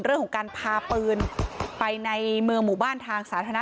เรื่องของการพาปืนไปในเมืองหมู่บ้านทางสาธารณะ